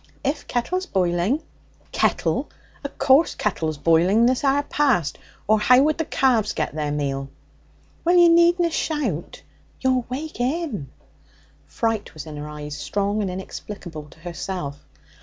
'If kettle's boiling.' 'Kettle! O' course kettle's boiling this hour past. Or how would the ca'ves get their meal?' 'Well, you needna shout. You'll wake 'im.' Fright was in her eyes, strong and inexplicable to herself.